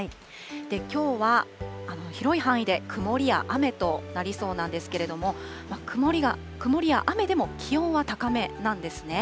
きょうは広い範囲で曇りや雨となりそうなんですけれども、曇りや雨でも気温は高めなんですね。